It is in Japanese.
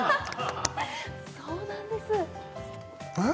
そうなんですえっ！？